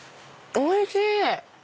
おいしい！